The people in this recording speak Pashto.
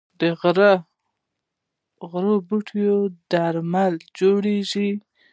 د غره بوټي درمل جوړوي